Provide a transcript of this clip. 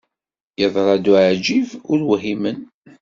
Yeḍra-d uεeǧǧib ur whimen.